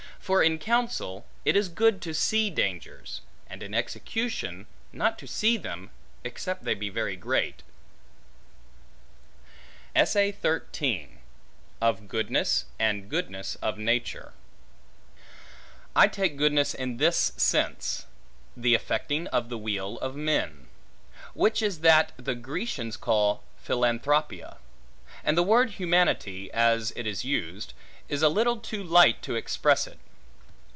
For in counsel, it is good to see dangers; and in execution, not to see them, except they be very great. Of Goodness and Goodness Of Nature I TAKE goodness in this sense, the affecting of the weal of men, which is that the Grecians call philanthropia; and the word humanity (as it is used) is a little too light to express it.